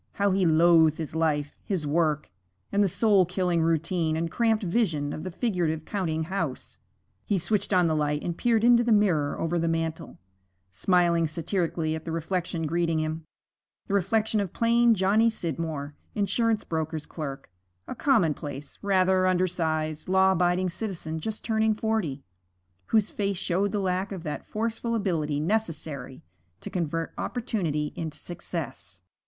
How he loathed his life, his work, and the soul killing routine and cramped vision of the figurative counting house! He switched on the light and peered into the mirror over the mantel, smiling satirically at the reflection greeting him, the reflection of plain Johnny Scidmore, insurance broker's clerk, a commonplace, rather undersized, law abiding citizen just turning forty, whose face showed the lack of that forceful ability necessary to convert opportunity into success.